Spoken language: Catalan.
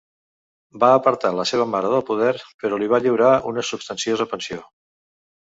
Va apartar la seva mare del poder, però li va lliurar una substanciosa pensió.